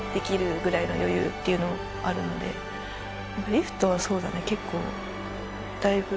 リフトはそうだね結構だいぶ。